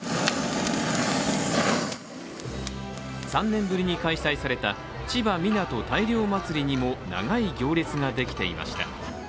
３年ぶりに開催された千葉湊大漁まつりにも長い行列ができていました。